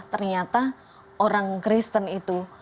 ternyata orang kristen itu